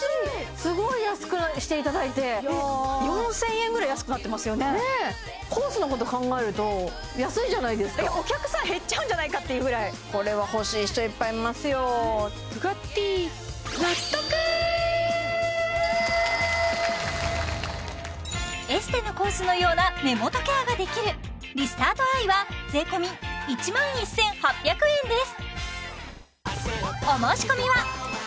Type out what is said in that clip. すごい安くしていただいてえっ４０００円ぐらい安くなってますよね？コースのこと考えると安いじゃないですかお客さん減っちゃうんじゃないかっていうぐらいこれは欲しい人いっぱいいますよエステのコースのような目元ケアができるリスタートアイは税込１万１８００円です